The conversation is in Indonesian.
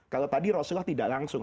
kalau tadi rasulullah tidak langsung